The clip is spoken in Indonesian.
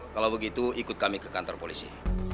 kalau begitu ikut kami ke kantor polisi